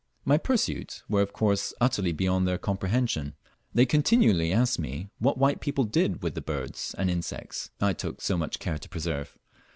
My pursuit, were of course utterly beyond their comprehension. They continually asked me what white people did with the birds and insects I tools so much care to preserve.